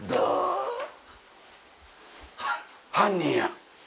犯人や！